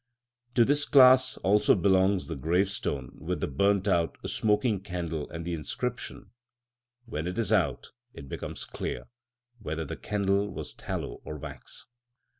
To this class also belongs the gravestone with the burnt out, smoking candle, and the inscription— "When it is out, it becomes clear Whether the candle was tallow or wax."